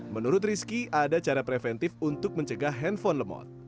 menurut rizky ada cara preventif untuk mencegah handphone lemot